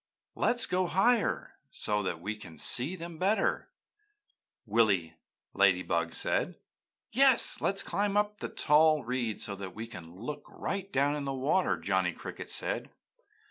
"Let's go up higher so that we can see them better," Willy Ladybug said. "Yes, let's climb up on the tall reeds so that we can look right down in the water," Johnny Cricket said.